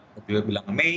atau juga bilang mei